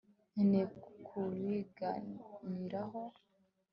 nkeneye kubiganiraho